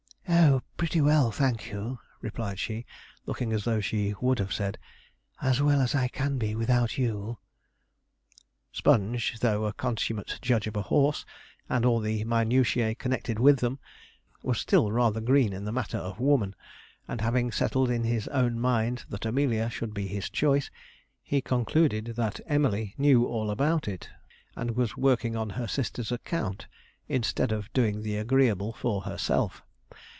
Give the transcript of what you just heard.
"Oh, pretty well, thank you," replied she, looking as though she would have said, "As well as I can be without you." Sponge, though a consummate judge of a horse, and all the minutiae connected with them, was still rather green in the matter of woman; and having settled in his own mind that Amelia should be his choice, he concluded that Emily knew all about it, and was working on her sister's account, instead of doing the agreeable for herself.